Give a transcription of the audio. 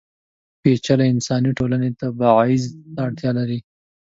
پېچلې انساني ټولنې تبعیض ته اړتیا لري.